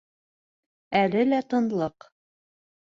Әле лә тынлыҡ.